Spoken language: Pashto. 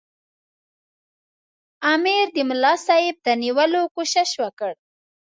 امیر د ملاصاحب د نیولو کوښښ وکړ.